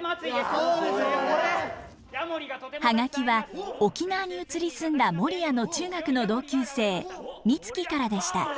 葉書は沖縄に移り住んだモリヤの中学の同級生ミツキからでした。